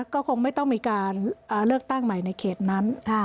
ก็คงไม่ต้องมีการเลือกตั้งใหม่ในเขตนั้น